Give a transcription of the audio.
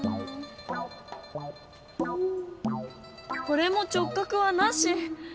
これも直角はなし。